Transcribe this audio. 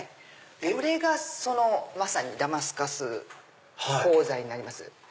これがそのまさにダマスカス鋼材になります。